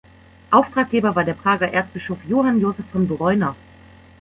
Auftraggeber war der Prager Erzbischof Johann Joseph von Breuner.